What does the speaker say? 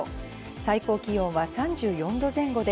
最高気温は３４度前後で